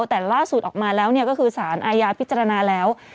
แต่ล่าสุดออกมาแล้วก็คือสารอาญาพิจารณาแล้ว